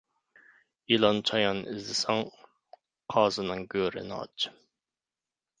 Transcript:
يىلان-چايان ئىزدىسەڭ، قازىنىڭ گۆرىنى ئاچ.